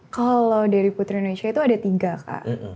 kalau dari putri indonesia itu ada tiga kak